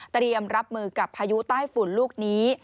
เตรียมรับมือกับพายุใต้ฝุ่นลูกนี้